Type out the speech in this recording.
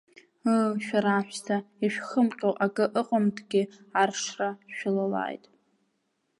Ыы, шәара аҳәса, ишәхымҟьо акы ыҟамҭгьы, аршра шәылалааит!